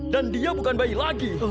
dan dia bukan bayi lagi